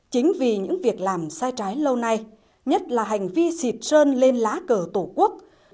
chính vì những việc làm sai trái lâu nay nhất là hành vi xịt sơn lên lá cờ tổ quốc